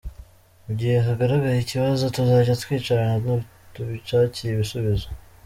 Mu gihe hagaragaye ikibazo tuzajya twicarana tubishakire ibisubizo.